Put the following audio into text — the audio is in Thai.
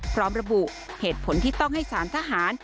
พร้อมระบุเหตุผลที่ต้องให้สารทหาร